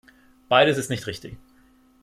Beides ist nicht richtig.